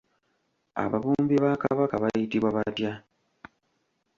Ababumbi ba Kabaka bayitibwa batya?